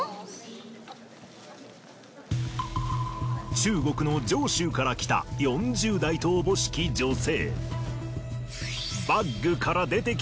中国の常州から来た４０代と思しき女性。